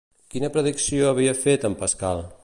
Quina predicció havia fet en Pascal?